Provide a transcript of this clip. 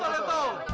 ada juga tuh